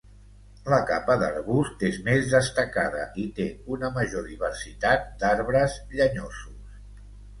La capa d'arbust és més destacada i té una major diversitat d'arbres llenyosos.